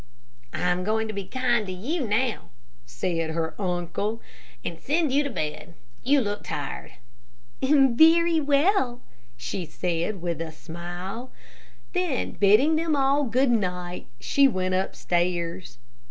"I'm going to be kind to you now," said her uncle, "and send you to bed. You look tired." "Very well," she said, with a smile. Then bidding them all good night, she went upstairs.